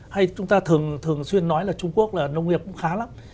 hay chúng ta thường thường xuyên nói là trung quốc là nông nghiệp cũng khá lắm